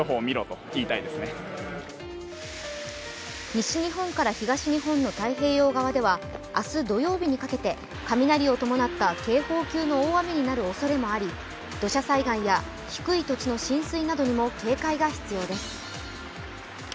西日本から東日本の太平洋側では明日土曜日にかけて雷を伴った警報級の大雨になるおそれもあり、土砂災害や低い土地の浸水などにも警戒が必要です。